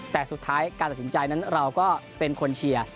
แต่สุดท้ายการตัดสินใจนั้นเราก็เป็นคนเชียร์